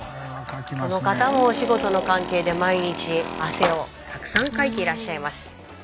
この方もお仕事の関係で毎日汗をたくさんかいていらっしゃいます。